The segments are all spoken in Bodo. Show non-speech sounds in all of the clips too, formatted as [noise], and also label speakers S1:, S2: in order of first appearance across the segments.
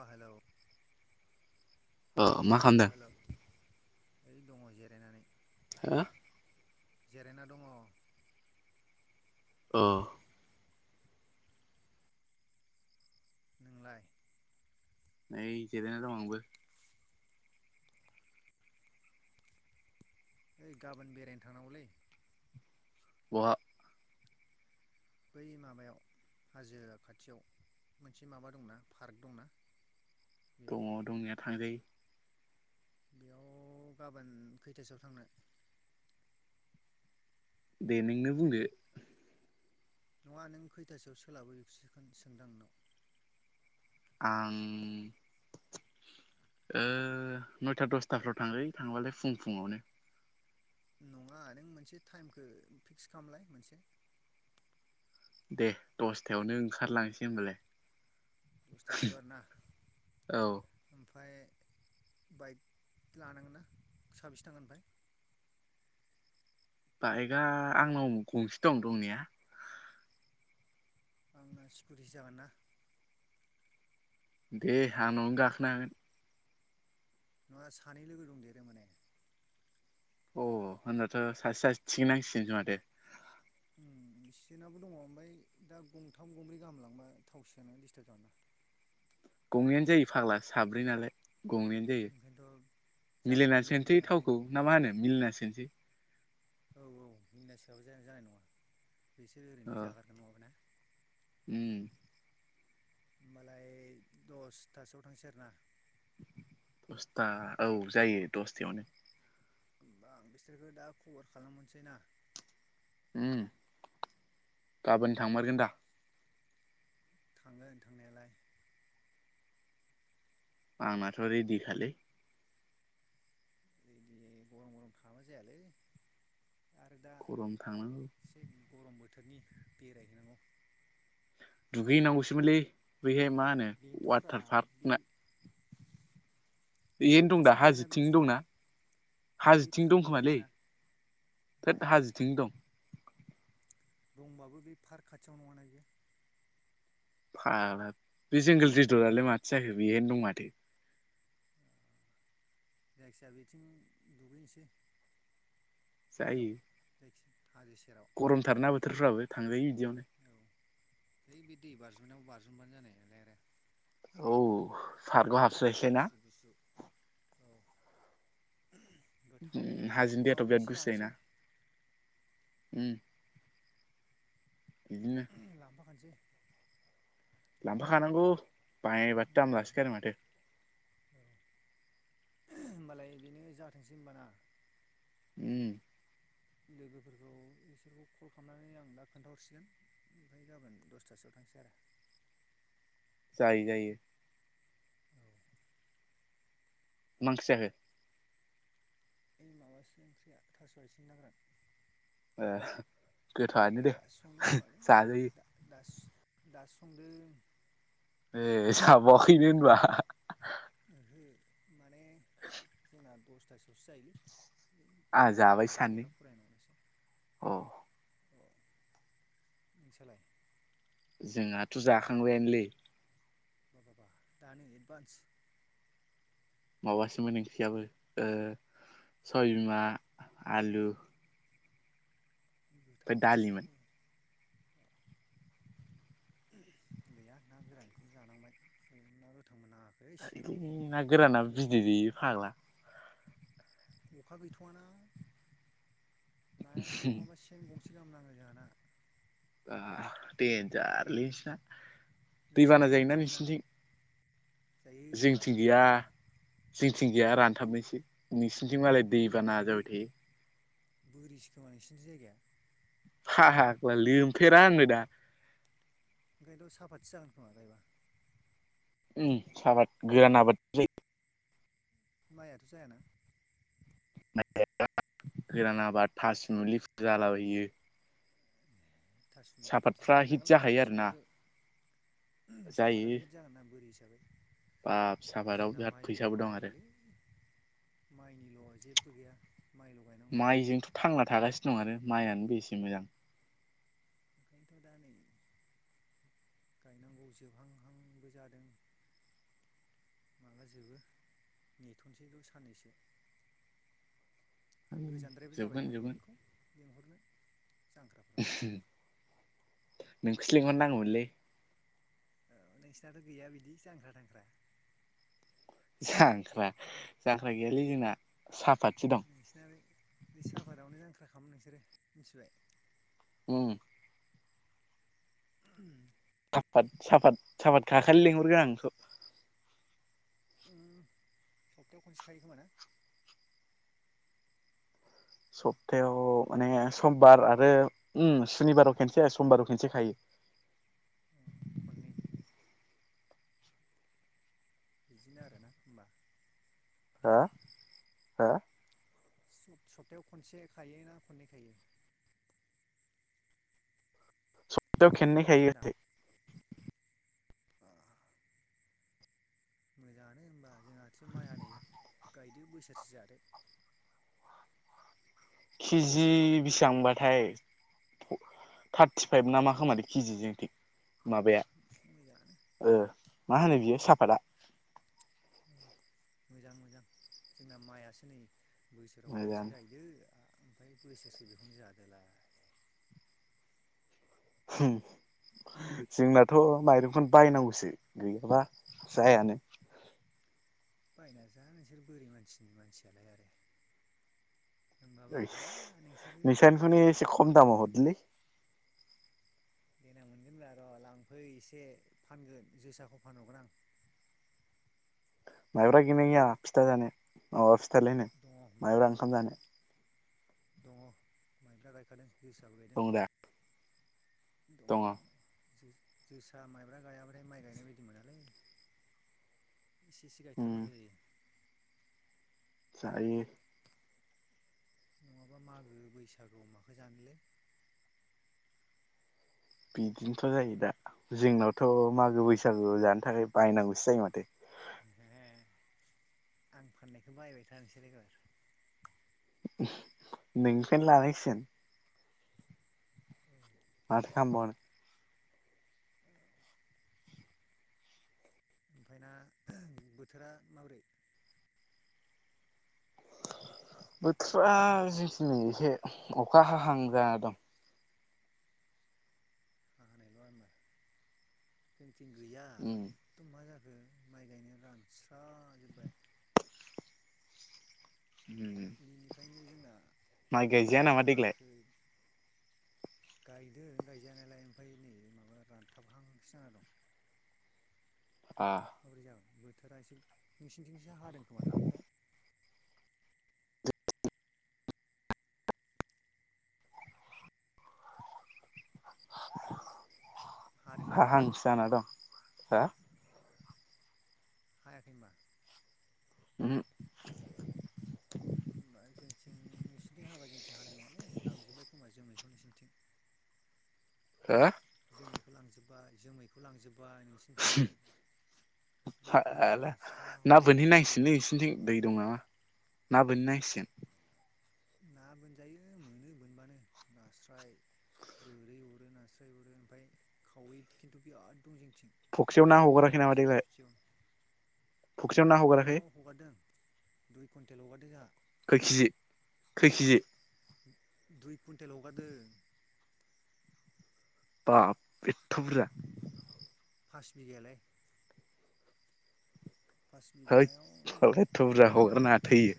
S1: अ हेलौ
S2: अ मा खाम
S1: नै दङ' जिरायनानै
S2: हा
S1: जिरायना दङ'
S2: अ
S1: नोंलाय?
S2: नै जिरयना दं आंबो।
S1: ओइ गाबोन बेरायनो थांनांगौलै
S2: बहा
S1: बै माबायाव हाजो खाथियाव मोनसे माबा दंना फार्क दंना बेयाव
S2: दङ' दंनाया थारै
S1: बेयाव गाबोन खैथासोआव थांनो
S2: दे नोंनो बुंदो
S1: नङा नों खैथासोआव सोलाबो बिखोसो सोंदां नोंनाव
S2: आं ओ नयता दसथाफ्राव थांजायो थांबालाय फुं फुङावनो।
S1: नङा नों मोनसे टाइमखौ फिक्स खालामलाय मोनसे
S2: दे दसथायावनो ओंखारलांसै होनोमबालाय।
S1: दसथासोआव आरोना
S2: औ
S1: ओमफ्राय बाइक लानांगोन ना साबेसे थांगोन ओमफ्राय?
S2: बाइकआ आंनाव गंसे दं दंनाया।
S1: आंना स्कुटि जागोन ना
S2: दे आंनावनो गाखोनो हागोन।
S1: नङा सानै लोगो दंदेरो माने
S2: अ होनमाबाथ' सासे- सासे थिगै नांसिगोन खोमा दे
S1: एसिनावबो दङ ओमफ्राय दा गंथाम गंब्रै गाहामलांबा थावसेयानो डिस्टार्ब जोगोनना
S2: गंनैयानो जायो फाग्ला साब्रै नालाय गंनैयानो।
S1: ओंखायनोथ'
S2: जायो
S1: जागोन
S2: मिलायना
S1: बेनो
S2: सोनोसै
S1: जानायालाय
S2: थावखौ ना मा होनो मिलायना सोनोसै
S1: औ औ मिलायना सोआबा जानाय नङा बिसोर
S2: अ
S1: ओरैनो जागारगोन नङाबाय ना।
S2: उम
S1: होमबालाय दसथासोआव थांसै आरोना
S2: दसथा औ जायो दसथायावनो।
S1: होमबा आं बिसोरखौ दा खबर खालामहरसै ना?
S2: ओम गाबोन थांमारगोन दा?
S1: थाङो थांनायालाय
S2: आंनाथ' रेडि खालै
S1: दि गरम गरम थांबा जायालै आरो दा
S2: गरम थांनांगौ
S1: एसे गरम बोथोरनि बेरायहैनांगौ।
S2: दुगैनांगौसोमोनलै बैहाय मा होनो
S1: बेनोथ'ब्रा
S2: वाटार
S1: बे
S2: पार्क ना बैहायनो दं दा
S1: अबेथिं गैयाना बे
S2: हाजोथिं
S1: बुस्थुआ
S2: दंना
S1: बे
S2: हाजोथिं
S1: पार्कआव
S2: दंखोमालै
S1: थायाना माया
S2: थद हाजोथिंनो दं।
S1: दंबाबो बे पार्क खाथियाव नङाना बेयो
S2: फाग्ला बे जंग्ल रिजदआलाय माथो जाखो बेहायनो दं माथो।
S1: जायखिजाया बेथिं दुगैनोसै
S2: जायो
S1: बैयाव जायखिया हाजो सेराव
S2: गरमथारना बोथोरफ्राबो थांजायो बिदियावनो।
S1: औ है बे दै बारजुमनायाव बारज'बानो जानाय नालाय आरो।
S2: औ सारगाहा [unintelligible]
S1: गुसु गुसु औ गोथाव
S2: हाजोनि
S1: माबा
S2: दैयाथ' बिराद
S1: मोनसे
S2: गुसु जायोना
S1: जानोसै
S2: उम बिदिनो
S1: लांफाखानोसै
S2: लांफाखानांगौ बायबाथ' दाम
S1: उम
S2: लासोगारो माथो
S1: औ होनोमबालाय बेनो जाथोंसै होनबाना।
S2: उम
S1: लोगोफोरखौ बिसोरखौ कल खालामनानै आं दा खोन्थाहरसिगोन ओमफ्राय गाबोन दसथासोआव थांसै आरो।
S2: जायो जायो। मा ओंख्रि जाखो?
S1: ओइ माबासो ओंख्रिया थास' आइथिं ना गोरान
S2: ओ गोथावआनो दे
S1: दासो संदों खोमालै
S2: जाजायो
S1: दा दा दासो संदों
S2: ए जाबावाखैनो होनबा
S1: ओ हो माने जोंना दसथासोआवसो जायोलै।
S2: आंहा जाबाय
S1: गथ'फोरखौ
S2: सानै
S1: लेखा फराय होनंगौ एसे
S2: अ
S1: औ नोंसालाय?
S2: जोंहाथ' जाखांबायानोलै।
S1: बा बा बा दानो एडभान्स
S2: माबासोमोन ओंख्रियाबो सबियबिमा आलु ओमफ्राय
S1: गोथाव
S2: दालिमोन
S1: नोंसिनाबो। गैया ना गोरानखौनो जानांबाय उम ना गोथांबो नाङा।
S2: [inaudible] ना गोरानाबो बिदै दैयो फाग्ला।
S1: अखा गैथ'वाना नायानो नङाबा सेन गंसे गाहाम नाङो जोंहाना।
S2: आ देनजारलै नोंसिना दै बाना
S1: नोंसिनिथिंथ' बिदि
S2: जायोना
S1: मोना
S2: नोंसिनिथिं?
S1: जायो बा
S2: जोंथिं गैया। जिंथिं गैया रानथाबनायसो नोंसिनिथिं मालाय दै
S1: बोरि
S2: बाना जाबाय थायो।
S1: बोरिसो खोमा नोंसिनिथिं जायगाया?
S2: फाग्ला लोमफेरा होननो दा
S1: ओंखायनोथ साफादसो जागोन खोमा गायबा।
S2: उम साबाद गोरान आबाद जे
S1: माइआथ' जायाना?
S2: माइ गायग्रा गोरान आबाद था सुमलि जालाबायो।
S1: थासुमलि
S2: सापातफ्रा हिट
S1: लायनांगोनगालै था
S2: जाखायो आरोना
S1: सुमलिखो। ओहोम
S2: जायो
S1: साफाराथ' हित जागोना बोरि हिसाबै
S2: बाब सापाताव
S1: जोंना
S2: बिराद
S1: माइल'-
S2: फैसाबो दं आरो
S1: माइल'लै माइनिल' जेबबो गैया माइल' गायनांगौ
S2: माइजोंथ' थांना थागासिनो दं आरो माइयानो बेसे मोजां।
S1: ओंखायनोथ' दा नै गायनांगौ जोबहांहांबो जादों। माला जोबो नेथ'सै र' साननैसो। गोजानद्रायबो
S2: जोबगोन
S1: जाबायना
S2: जोबगोन
S1: नोंखौ लिंहरनो जांख्रा
S2: नोंखौसो लिंहर नांगौमोनलै।
S1: ओ नोंसिनाथ' गैया बिदि जांख्रा थांख्रा?
S2: जांख्रा जांख्रा गैयालै जोंना साफातसो दं।
S1: नोंसिना बे साफादावनो जांख्रा खालाम नोंसोरो मिथिबाय।
S2: उम
S1: [unintelligible]
S2: साफात साफात साफात खाखालि लेंहरगोन आं नोंखौ।
S1: उम सप्थायाव खनसे खायो खोमा ना?
S2: सप्तायाव माने समबार आरो उम सुनिबाराव खनसे समबाराव खनसे खायो।
S1: खननै। बिदिनो आरोना होमबा?
S2: हो हो।
S1: स'-सप्थायायाव खनसे खायोना खननै खायो?
S2: सप्टायाव खेेननै
S1: सापातखौ
S2: खायो।
S1: अ मोजाङानो होनबा जोंहासो माइआ नै गायदो बोसोरसे जादो।
S2: किजि बेसिबांबाथाय थार्टिफाइभ ना मा खोमादै किजि जोंथि माबाया
S1: मोजांङानो।
S2: ओ मा होनो बियो साफातआ।
S1: औ मोजां मोजां जोंना माइआसो नै बोसोराव खनसे
S2: मोजाङानो
S1: गायदो ओमफ्राय बोसोरसो बेखौनो जादोलाय।
S2: हुम जोंनाथ' माइरंखौनो बायनांगौसो गैयाबा जायानो।
S1: बायना जा नोंसोर बोरि मानसिनि मानसियालाय आरो। होनबाबो हाया नोंसोरजों
S2: नोंसानिखौनो एसे
S1: खामायनायाव।
S2: खम दामाव हरदिलै।
S1: देेनां मोनगोनब्रा र' लांफै एसे फानगोन जोसाखौ फानहरगोन आं।
S2: माइब्रा गैगोना गैया फिथा जानो माबा फिथालायनो
S1: दङ
S2: माइब्रा ओंखाम जानो।
S1: दङ माइब्रा गायखादों जोसाबो गायदों
S2: दं दा
S1: दङ। जो-जोसा माइब्रा गायाबाथाय माइ गायनाय बायदि मोनालै। इसे एसे
S2: उम
S1: गायथारनांगौ जायो।
S2: जायो।
S1: नङाबा मागो बैसागु माखो जानोलै?
S2: बिदिनोथ' जायो दा जोंनावथ' मागो
S1: ओंखायनोथ'
S2: बैसागु जानो थाखाय बायनांगौसो जायो माथो।
S1: [unintelligible] आं फाननायखौ बायबाय था नोंसोर एबार
S2: नोंनिफ्रायनो लानांसिगोन।
S1: [unintelligible]
S2: माथो खामबावनो।
S1: ओमफ्राय ना बोथोरा माबोरै?
S2: बोथोरा जोंनिथिंनि एसे अखा हाहां जाना दं।
S1: हाखानायल' आरोना जोंथिं गैया है
S2: उम
S1: एकदम मा जाखो माइ गायनायानो रानस्राजोब्बाय।
S2: उम
S1: बेनिखायनो जोंना
S2: माइ गायजाया
S1: नाबो
S2: नामा देग्लाय
S1: नाङाखै। गायदों गायजानायालाय ओमफ्राय नै माबा रानथाबहांसो जाना दं। माबोरै जागोन बोथोरा एसे नोंसिनिथिंसो हादों खोमाना अखाया? हादों दा
S2: हाहांसो जाना दं हो
S1: हायाखै होनबा?
S2: उम हो
S1: होमबा जोंथिं नोंसिनिथिं हादोंब्ला जोंथिं हानाय नङालै लांजोबबाय खोमा जोमैखौ नोंसोरनिथिं।
S2: [unintelligible]
S1: जोमैखौ लांजोबबाय जोमैखौ लांजोब्बाय नोंसिनिथिं
S2: सानो
S1: जोंथिं नै
S2: हायालै
S1: रानस्राव
S2: ना बोनहै
S1: जाना
S2: नांसिगोनलै
S1: दं
S2: नोंसिनिथिं दै दं नामा? ना बोनहै नांसिगोन।
S1: ना बोनजायो मोनो बोनबानो नास्राय गोरै अरो नास्राय अरो ओमफ्राय खावै खिन्थु बिराद दं जोंनिथिं।
S2: फुख्रियाव ना
S1: खावै फैदों
S2: हगाराखै
S1: एबार
S2: नामा
S1: सेव
S2: देग्लाय
S1: सेवनो।
S2: फुख्रियाव ना हगाराखै
S1: फख्रियाव हगारदों दुइ कुन्टेल' हगारदों जाहा।
S2: खै किजि खै किजि
S1: दुइ कुन्टेल हगारदों।
S2: बाब एथ' बुरजा।
S1: फास बिघायालाय फास बिघा
S2: हैद
S1: हायाव
S2: साला एथ' बुरजा
S1: फख्रियाव
S2: हगारनाङा थैयो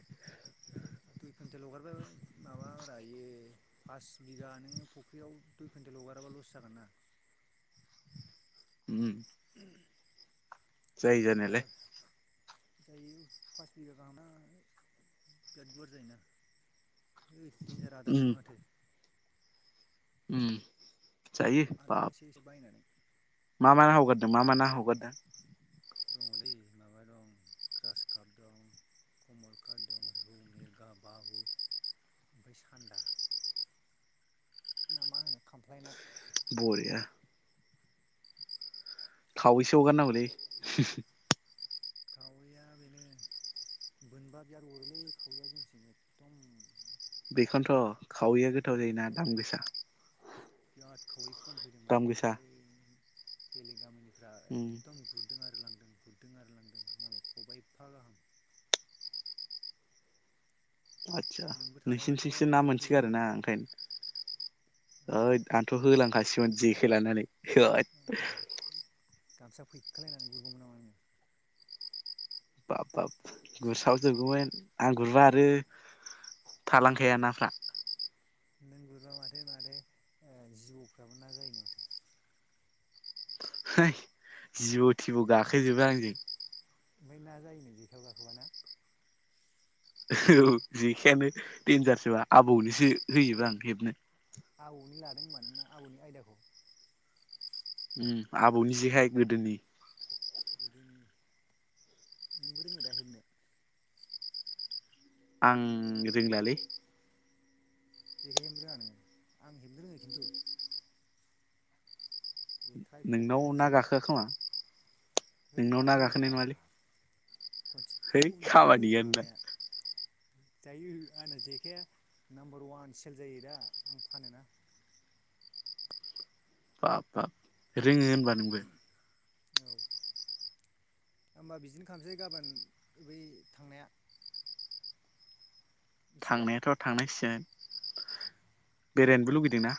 S1: दुइ कुन्टेल हगारबाय माबारा बियो फास बिघा नोङो फुख्रियाव दुइ कुइन्टेल हगाराबा लस जागोन ना
S2: उम जायो
S1: [unintelligible] एबार
S2: जानायालाय
S1: जायो फास बिघा गाहामना बिराद गुवार जायोना। ओइ डेन्जार आदार
S2: उम
S1: जायो माथो।
S2: उम जायो
S1: आदार
S2: बाब
S1: एसे एसे बायनानै
S2: मा मा हगारदों मा मा ना हगारदों?
S1: दङलै माबा दं ग्रास काप दं कमन काट दं रौ मेरगा मागुर ओमफाय सान्दा। ना मा होनो खामफ्लाय ना
S2: बरिया खावैसो हगारनांगौलै [unintelligible]
S1: खावैया बेनो बोनबा बियाद अरोलै खावैया जोंथिं एखदम
S2: बेखौनोथ' खावैया गोथाव जायोना दाम गोसा।
S1: बिराद खावै फुवान फैदों माने
S2: दाम गोसा
S1: ओइ बेलेग गामिनिफ्राय
S2: उम
S1: एकदम गुरदों आरो लांदों गुरदों आरो लांदों मालाय खबाइफा गाहाम।
S2: आदसा
S1: नोंबो थानायबाथ'
S2: नोंसिनिथिंसो ना मोनसो
S1: गुरफैगौमोन
S2: गारोना ओंखायनो।
S1: औ
S2: ओइ आंथ' होलांखासैमोन जेखाय लानानै। होद
S1: [unintelligible] गामसा फैखोलायनानै गुरगौमोन नामा नोङो?
S2: बाब बाब गुरस्रावजोबगौमोन आं गुरबा आरो थालांखाया नाफ्रा।
S1: नों गुरब्ला माथो माथो ओ जिबौफ्राबो ना जायोनो माथो?
S2: है जिबौ थिबौ गाखोजोबो आंजों।
S1: ओमफाय ना जायोनो जेखाइआव गाखोबा ना?
S2: औ, जेखाइ आनो देनजारसोबा आबौनोसो होयोबा आं हेबनो।
S1: आबौनि लादों होनबा नों आबौनि आयदाखौ?
S2: आबौनि जेखाय गोदोनि
S1: गोदोनि, नोंबो रोङो दा हेबनो?
S2: आं रोंला लै।
S1: जेखाइ हेबनो रोङा नोङो? आं हेबनो रोङो खिन्थु। जेखाइ खबाइ
S2: नोंनाव ना
S1: रोंजोबो आं।
S2: गाखोआ खोमा
S1: है
S2: नोंनाव ना
S1: गाखोयो
S2: गाखोनाय नङालै
S1: बाब। खनसे थु
S2: है
S1: होन्दो
S2: खामानि
S1: होदो
S2: गैया नोंना
S1: गुरनाया। जायो आंना जेखाइआ नाम्बार वान सेल जायो दा, आं फानोना।
S2: बाब बाब। रोङो होनबा नोंबो?
S1: औ, होमबा बिदिनो खालामसै गाबोन बै थांनाया। मिथिबाय
S2: थांनायाथ' थांनांसिगोन। बेरायनोबो लुबैदों ना।